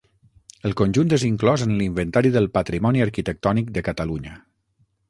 El conjunt és inclòs en l'Inventari del Patrimoni Arquitectònic de Catalunya.